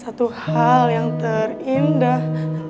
satu hal yang terindah